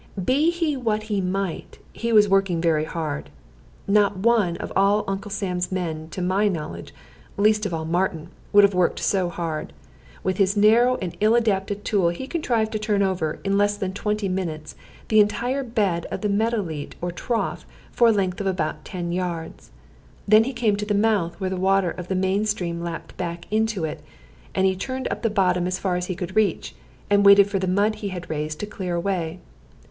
Be he what he might, he was working very hard. Not one of all Uncle Sam's men, to my knowledge, least of all Martin, would have worked so hard. With his narrow and ill adapted tool he contrived to turn over, in less than twenty minutes, the entire bed of the meadow leet, or trough, for a length of about ten yards. Then he came to the mouth, where the water of the main stream lapped back into it, and he turned up the bottom as far as he could reach, and waited for the mud he had raised to clear away.